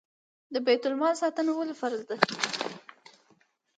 د بیت المال ساتنه ولې فرض ده؟